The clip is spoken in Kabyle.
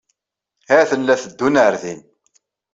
Ha-t-en la teddun ar din.